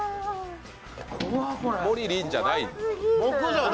モリリじゃない。